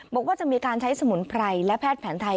บอกว่าจะมีการใช้สมุนไพรและแพทย์แผนไทย